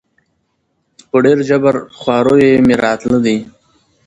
په ډېر جبر په خواریو مي راتله دي